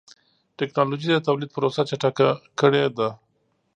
ټکنالوجي د تولید پروسه چټکه کړې ده.